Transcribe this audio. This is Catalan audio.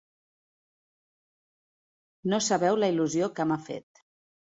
No sabeu la il·lusió que m'ha fet!